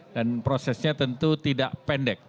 dan prosesnya tentu tidak pendek